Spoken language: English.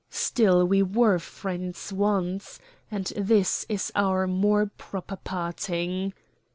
Still we were friends once, and this is our more proper parting."